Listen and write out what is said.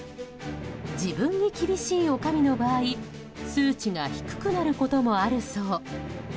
自分に厳しい女将の場合数値が低くなることもあるそう。